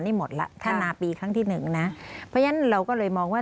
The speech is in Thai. นี่หมดแล้วถ้านาปีครั้งที่หนึ่งนะเพราะฉะนั้นเราก็เลยมองว่า